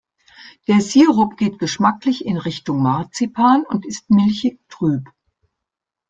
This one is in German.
Der Sirup geht geschmacklich in Richtung Marzipan und ist milchig-trüb.